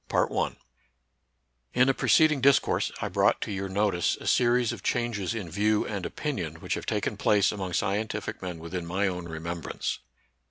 TN a preceding discourse I brought to your notice a series of changes in view and opinion which have taken place among scien tific men within my own remembrance.